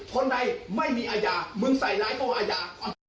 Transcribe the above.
คนใดไม่มีอาญามึงใส่นายโก้อาญา